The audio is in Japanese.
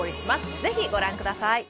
ぜひ、ご覧ください。